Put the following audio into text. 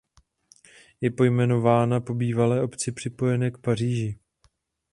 Je pojmenovaná po bývalé obci připojené k Paříži.